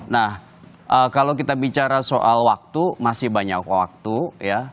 nah kalau kita bicara soal waktu masih banyak waktu ya